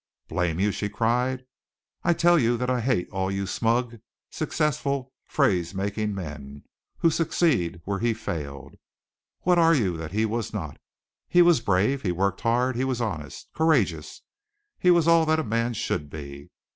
"Blame you!" she cried. "I tell you that I hate all you smug, successful, phrase making men, who succeeded where he failed. What are you that he was not? He was brave, he worked hard, he was honest, courageous, he was all that a man should be.